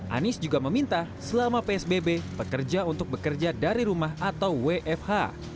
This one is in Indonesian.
anies juga meminta selama psbb pekerja untuk bekerja dari rumah atau wfh